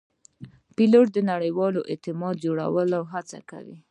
ډيپلومات د نړیوال اعتماد جوړولو هڅه کوي.